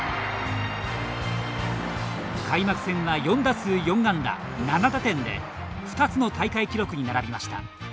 開幕戦は４打数４安打７打点で２つの大会記録に並びました。